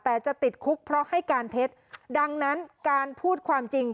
แต่จะติดคุกเพราะให้การเท็จดังนั้นการพูดความจริง